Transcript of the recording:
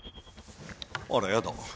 あらやだ！